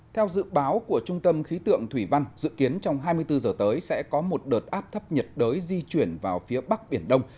theo dự báo của trung tâm khí tượng thủy văn dự kiến trong hai mươi bốn giờ tới sẽ có một đợt áp thấp nhiệt đới di chuyển vào phía bắc biển đông